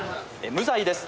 無罪です